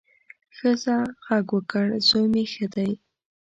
ښځه غږ وکړ، زوی مې ښه دی.